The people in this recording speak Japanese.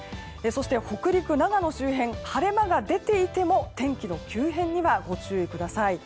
そして北陸、長野周辺晴れ間が出ていても天気の急変にはご注意ください。